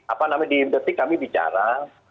apa namanya di detik kami bicara